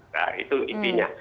nah itu intinya